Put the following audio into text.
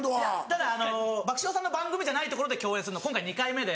ただ爆笑さんの番組じゃない所で共演するの今回２回目で。